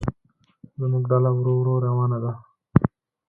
زموږ ډله ورو ورو روانه وه.